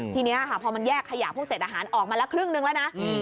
ทีนี้ค่ะพอมันแยกขยะพวกเศษอาหารออกมาละครึ่งนึงแล้วนะ